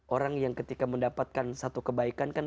orang yang ketika mendapatkan satu kebaikan kan